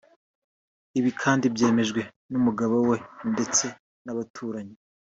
Ibi kandi byemejwe n’umugabo we ndetse n’abaturanyi